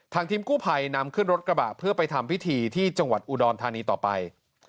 ทีมกู้ภัยนำขึ้นรถกระบะเพื่อไปทำพิธีที่จังหวัดอุดรธานีต่อไป